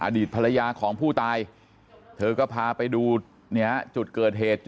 อดีตภรรยาของผู้ตายเธอก็พาไปดูเนี่ยจุดเกิดเหตุ